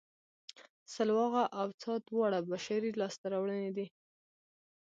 سلواغه او څا دواړه بشري لاسته راوړنې دي